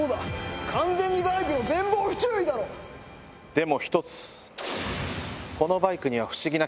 でも１つ。